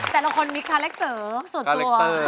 แต่ละคนมีคาเล็กเต๋อส่วนตัว